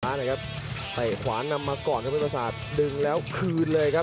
เตะขวานำมาก่อนครับเทพภาษาดึงแล้วคืนเลยครับ